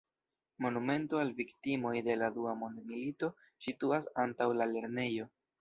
Monumento al viktimoj de la Dua Mondmilito situas antaŭ la lernejo.